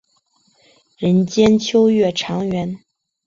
人间秋月长圆。